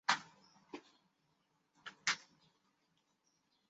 塞西人口变化图示